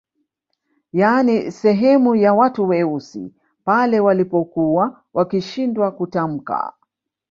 Yaani sehemu ya watu weusi pale walipokuwa wakishindwa kutamka